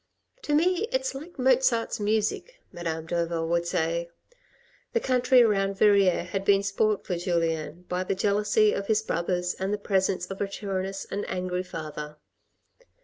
" To me it's like Mozart's music," Madame Derville would say. The country around Verrieres had been spoilt for Julien LITTLE EPISODES 53 by the jealousy of his brothers and the presence of a tyranous and angry father.